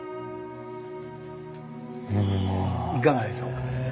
いかがでしょうか？